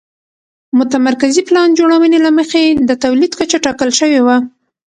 متمرکزې پلان جوړونې له مخې د تولید کچه ټاکل شوې وه.